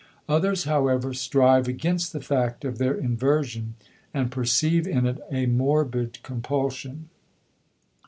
Others, however, strive against the fact of their inversion and perceive in it a morbid compulsion.